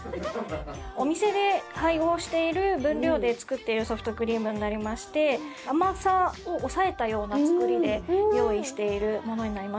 お店で配合している分量で作っているソフトクリームになりまして甘さを抑えたようなつくりで用意しているものになります。